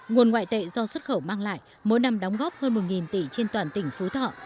nguồn ngoại tệ do xuất khẩu mang lại mỗi năm đóng góp hơn một tỷ trên toàn tỉnh phú thọ